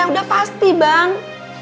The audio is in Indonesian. udah pasti bang